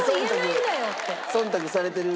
忖度されてる。